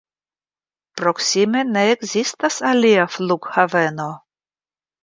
Proksime ne ekzistas alia flughaveno.